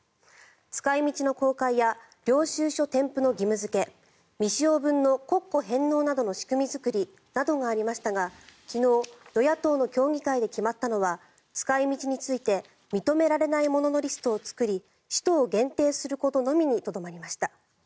使い道の公開や領収書添付の義務付け未使用分の国庫返納などの仕組み作りなどがありましたが昨日、与野党の協議会で決まったのは使い道について認められないもののリストを作り使途を限定することのみにとどまりました。